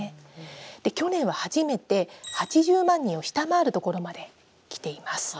で去年は初めて８０万人を下回るところまできています。